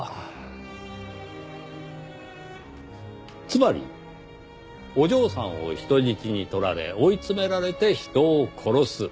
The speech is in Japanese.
つまりお嬢さんを人質に取られ追い詰められて人を殺す。